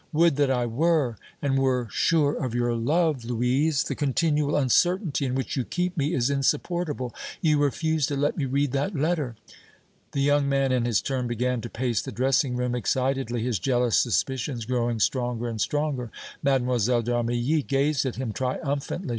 "Would that I were and were sure of your love, Louise! The continual uncertainty in which you keep me is insupportable! You refuse to let me read that letter?" The young man, in his turn, began to pace the dressing room excitedly, his jealous suspicions growing stronger and stronger. Mlle. d' Armilly gazed at him triumphantly.